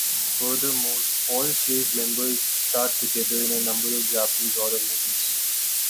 Furthermore, all Chase members starred together in a number of Japanese horror movies.